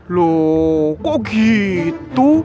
loh kok gitu